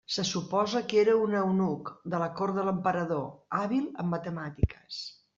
Se suposa que era un eunuc de la cort de l'emperador, hàbil en matemàtiques.